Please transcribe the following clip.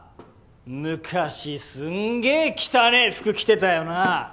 昔すんげぇ汚ねぇ服着てたよな！